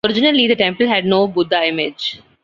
Originally the temple had no Buddha image.